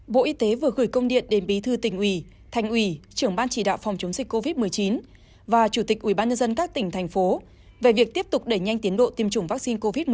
bộ y tế vừa gửi công điện đến bí thư tỉnh ủy thành ủy trưởng ban chỉ đạo phòng chống dịch covid một mươi chín và chủ tịch ubnd các tỉnh thành phố về việc tiếp tục đẩy nhanh tiến độ tiêm chủng vaccine covid một mươi chín